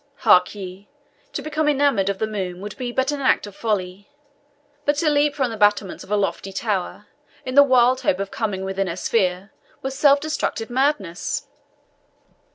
Hark ye to become enamoured of the moon would be but an act of folly; but to leap from the battlements of a lofty tower, in the wild hope of coming within her sphere, were self destructive madness."